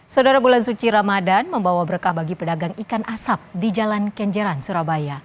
saudara bulan suci ramadan membawa berkah bagi pedagang ikan asap di jalan kenjeran surabaya